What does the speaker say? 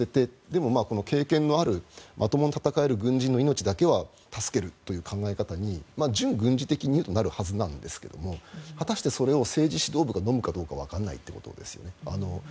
でも、経験のあるまともに戦える軍人の命だけは助けるという考え方に純軍事的にいうとそうなるはずなんですけど果たしてそれを政治指導部がのむかどうかわからないということですね。